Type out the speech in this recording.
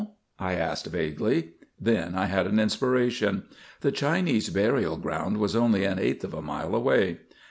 I asked, vaguely. Then I had an inspiration. The Chinese burial ground was only an eighth of a mile away.